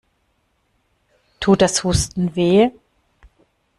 Tut das Husten weh?